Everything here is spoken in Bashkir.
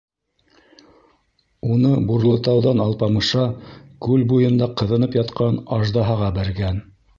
Уны Бурлытауҙан Алпамыша күл буйында ҡыҙынып ятҡан аждаһаға бәргән.